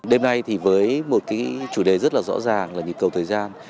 đêm nay với một chủ đề rất rõ ràng là nhịp cầu thời gian